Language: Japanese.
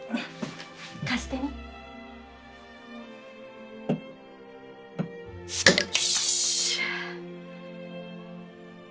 貸してみ。っしゃ。